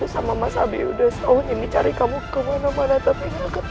sama mas abi udah so ini cari kamu kemana mana tapi nggak ketemu